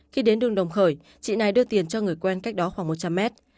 khi đến đường đồng khởi chị này đưa tiền cho người quen cách đó khoảng một trăm linh mét